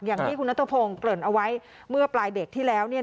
อย่างที่คุณนัทพงศ์เกริ่นเอาไว้เมื่อปลายเด็กที่แล้วเนี่ย